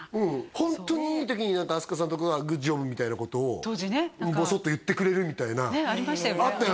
ホントにいい時に飛鳥さんとかがグッジョブみたいなことをボソッと言ってくれるみたいなあったよ